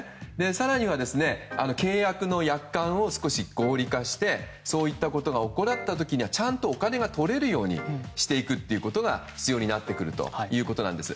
更には契約の約款を少し合理化してそういったことを怠った時にはちゃんとお金が取れるようにしていくことが必要になってくるということなんです。